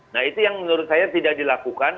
nah itu yang menurut saya tidak dilakukan